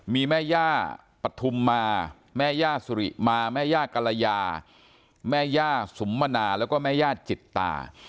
มีแม่ย่าปฐุมมาแม่ย่าสุริมาแม่ย่ากรยาแม่ย่าสุมมนาแล้วก็แม่ญาติจิตตา